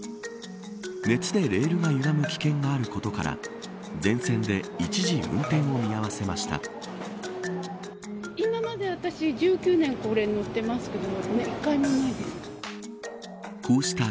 熱でレールがゆがむ危険があることから全線で一時運転を見合わせました。